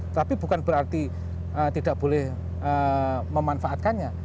tapi bukan berarti tidak boleh memanfaatkannya